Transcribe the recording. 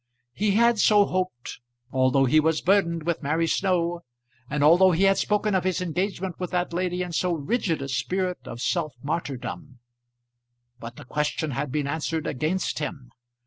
He had so hoped, although he was burdened with Mary Snow, and although he had spoken of his engagement with that lady in so rigid a spirit of self martyrdom. But the question had been answered against him.